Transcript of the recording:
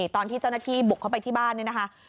ตอนที่เจ้าหน้าที่บุกเข้าไปที่บ้าน